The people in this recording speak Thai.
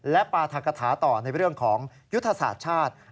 และปราธกฐาต่อในเรื่องของยุทธศาสตร์ชาติ